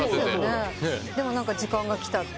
でも時間が来たって。